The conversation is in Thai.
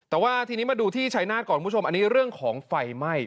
แต่ว่าทีนี้มาดูที่ชัยนาธก่อนคุณผู้ชมอันนี้เรื่องของไฟไหม้